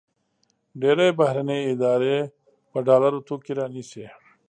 ډېری بهرني ادارې په ډالرو توکي رانیسي.